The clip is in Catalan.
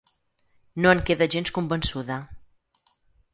No en queda gens convençuda.